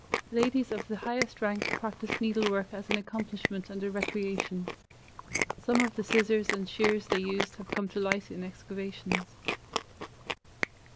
Ladies of the highest rank practiced needlework as an accomplishment and a recreation. Some of the scissors and shears they used have come to light in excavations.